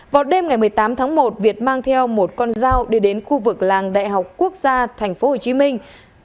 vào đêm ngày một mươi tám tháng một việt mang theo một con dao đi đến khu vực làng đại học quốc gia thành phố hồ chí minh